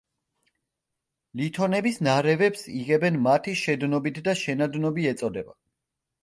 ლითონების ნარევებს იღებენ მათი შედნობით და შენადნობი ეწოდება.